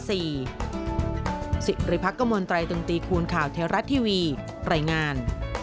สิริภักษ์กระมวลไตรตึงตีคูณข่าวเทวรัฐทีวีไหล่งาน